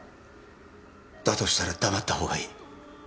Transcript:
だとしたら黙った方がいい